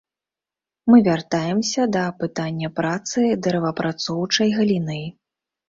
Мы вяртаемся да пытання працы дрэваапрацоўчай галіны.